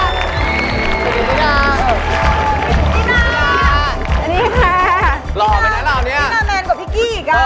หล่อไปตรงนี้ติ๊นามากกว่าพี่กี้อีก